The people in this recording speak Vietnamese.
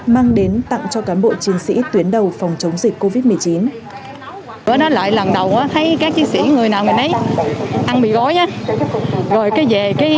mang đến tặng cho cán bộ chiến sĩ tuyến đầu phòng chống dịch covid một mươi chín